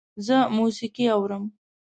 زه موسیقی اورم